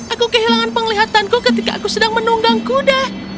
aku kehilangan penglihatanku ketika aku sedang menunggang kuda